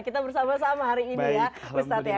kita bersama sama hari ini ya